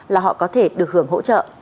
là họ có thể được hưởng hỗ trợ